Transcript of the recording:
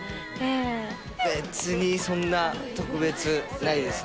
別にそんな、特別ないですね。